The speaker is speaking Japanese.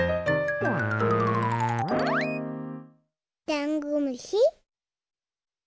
ダンゴムシ！